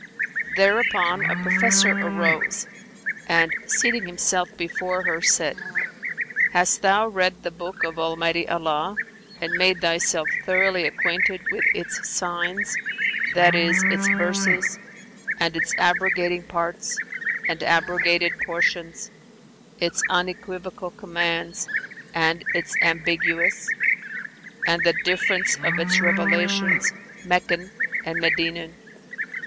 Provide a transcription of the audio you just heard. Thereupon a professor arose and, seating himself before her, said "Hast thou read the Book of Almighty Allah and made thyself thoroughly acquainted with its signs, that is its verses, and its abrogating parts and abrogated portions, its unequivocal commands and its ambiguous; and the difference of its revelations, Meccan and Medinan?